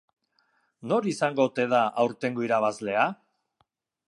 Nor izango ote da aurtengo irabazlea?